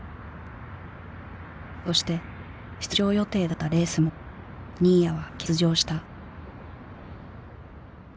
そして出場予定だったレースも新谷は欠場した。